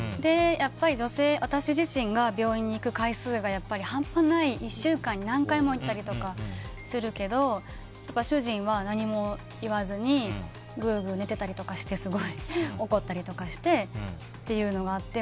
やっぱり女性、私自身が病院に行く回数が半端ない、１週間に何回も行ったりするけど主人は何も言わずにグーグー寝てたりしてすごい怒ったりとかしてというのがあって。